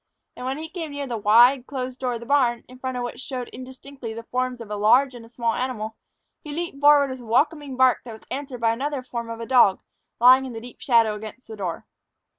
And when he came near the wide, closed door of the barn, in front of which showed indistinctly the forms of a large and a small animal, he leaped forward with a welcoming bark that was answered by another from a dog lying in the deep shadow against the door.